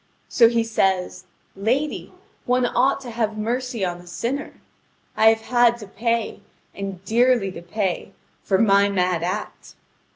So he says: "Lady, one ought to have mercy on a sinner. I have had to pay, and dearly to pay, for my mad act.